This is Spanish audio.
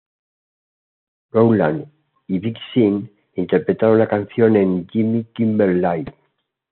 Rowland y Big Sean interpretaron la canción en "Jimmy Kimmel Live!